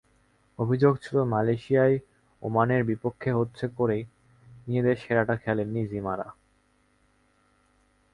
অভিযোগ ছিল, মালয়েশিয়ায় ওমানের বিপক্ষে ইচ্ছে করেই নিজেদের সেরাটা খেলেননি জিমিরা।